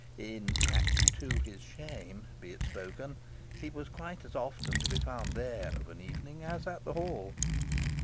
In fact, to his shame be it spoken, he was quite as often to be found there of an evening as at the hall.